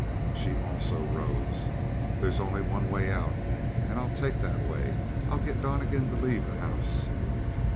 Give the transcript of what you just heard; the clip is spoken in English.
She, also, rose. "There's only one way out and I'll take that way. I'll get Donnegan to leave the house."